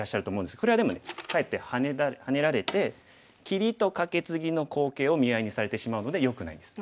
これはでもねかえってハネられて切りとカケツギの好形を見合いにされてしまうのでよくないんです。